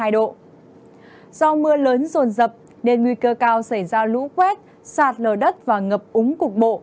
do mưa lớn rồn rập nên nguy cơ cao xảy ra lũ quét sạt lở đất và ngập úng cục bộ